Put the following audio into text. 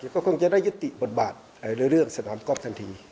ก็คงจะได้ยุติบทบาทในเรื่องสนามกอล์ทันที